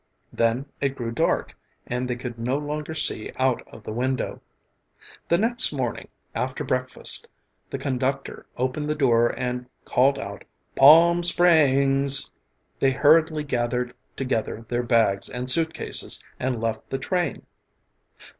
Then it grew dark and they could no longer see out of the window. The next morning after breakfast the conductor opened the door and called out, "Palm Springs." They hurriedly gathered together their bags and suitcases and left the train.